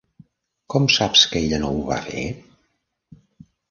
Com saps que ella no ho va fer?